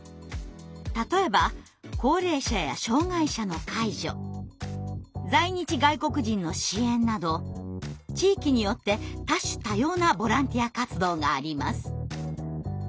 例えば高齢者や障害者の介助在日外国人の支援など地域によって多種多様なボランティア活動があります。